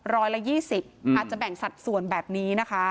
ร้อยละ๒๐อาจจะแบ่งสัดส่วนแบบนี้นะคะ